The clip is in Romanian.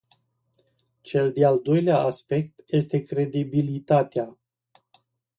Cel de-al doilea aspect este credibilitatea.